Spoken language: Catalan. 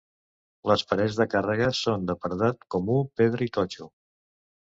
Les parets de càrrega són de paredat comú, pedra i totxo.